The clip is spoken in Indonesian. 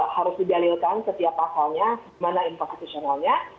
harus didalilkan setiap pasalnya mana inkonstitusionalnya